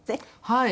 はい。